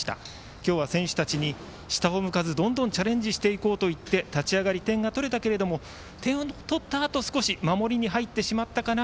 今日は選手たちに下を向かずどんどんチャレンジしていこうと言って立ち上がり、点が取れたけども点を取ったあと少し守りに入ってしまったかな。